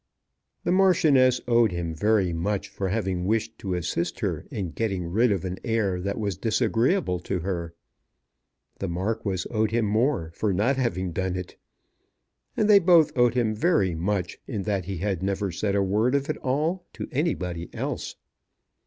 The Marchioness owed him very much for having wished to assist her in getting rid of an heir that was disagreeable to her. The Marquis owed him more for not having done it. And they both owed him very much in that he had never said a word of it all to anybody else.